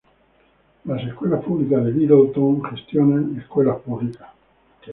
Las Escuelas Públicas de Littleton gestiona escuelas públicas.